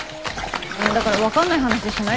だから分かんない話しないでくれる？